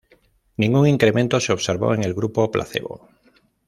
Ningún incremento se observó en el grupo placebo.